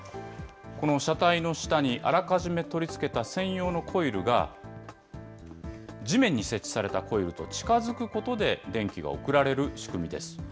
この車体の下にあらかじめ取り付けた専用のコイルが、地面に設置されたコイルと近づくことで、電気が送られる仕組みです。